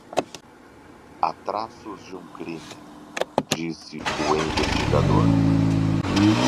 Há traços de um de crime, disse o investigador.